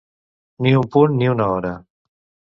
Ni un punt ni una hora.